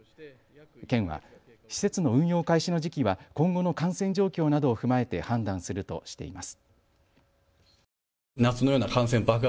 県は施設の運用開始の時期は今後の感染状況などを踏まえて判断するとしています。